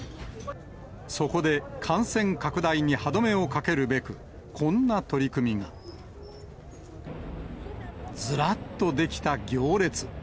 そこで、感染拡大に歯止めをかけるべく、こんな取り組みが。ずらっと出来た行列。